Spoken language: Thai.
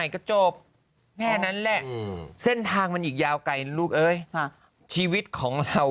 ก็จบแค่นั้นแหละเส้นทางมันอีกยาวไกลนะลูกเอ้ยชีวิตของเรา